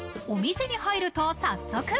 お店に入ると早速。